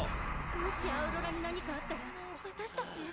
もしアウロラに何かあったら私たち。